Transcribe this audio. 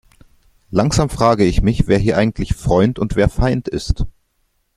Langsam frage ich mich, wer hier eigentlich Freund und wer Feind ist.